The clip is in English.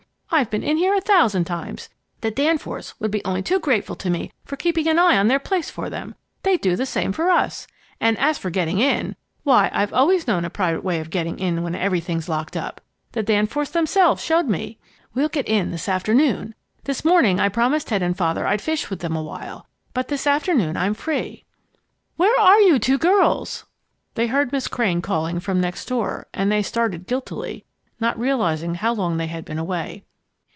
I've been in here a thousand times. The Danforths would be only too grateful to me for keeping an eye on their place for them. They'd do the same for us. And as for getting in why, I've always known a private way of getting in when everything's locked up. The Danforths themselves showed me. We'll get in this afternoon. This morning I promised Ted and Father I'd fish with them awhile; but this afternoon I'm free." "Where are you two girls?" they heard Miss Crane calling from next door, and they started guiltily, not realizing how long they had been away.